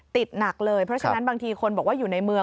หนักเลยเพราะฉะนั้นบางทีคนบอกว่าอยู่ในเมือง